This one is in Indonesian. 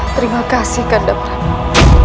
terima kasih kanda prabowo